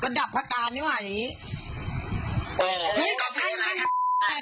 กระดับภารการที่ว่าอย่างนี้